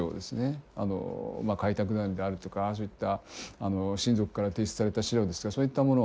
開拓団であるとかそういった親族から提出された資料ですとかそういったもの。